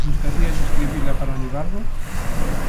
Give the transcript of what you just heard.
Gustaríalle escribila para Nivardo?